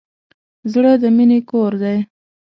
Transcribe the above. زړه د مینې کور دی.